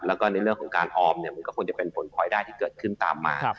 แล้วก็ในเรื่องของการออมเนี่ยมันก็ควรจะเป็นผลพลอยได้ที่เกิดขึ้นตามมา